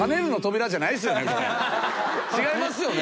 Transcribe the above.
違いますよね？